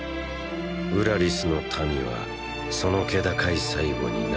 ウラリスの民はその気高い最期に涙する。